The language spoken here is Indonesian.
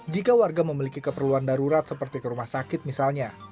jika warga memiliki keperluan darurat seperti ke rumah sakit misalnya